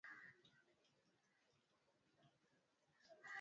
majeshi ya Kongo na Uganda yalitia saini Juni mosi